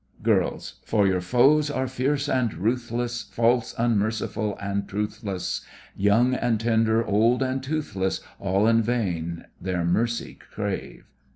GIRLS: For your foes are fierce and ruthless, False, unmerciful, and truthless; Young and tender, old and toothless, All in vain their mercy crave.